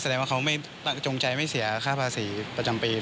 แสดงว่าเขาไม่จงใจไม่เสียค่าภาษีประจำปี